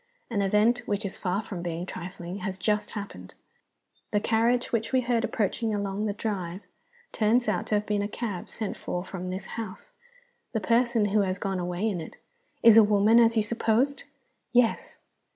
"An event, which is far from being trifling, has just happened. The carriage which we heard approaching along the drive turns out to have been a cab sent for from the house. The person who has gone away in it " "Is a woman, as you supposed?" "Yes."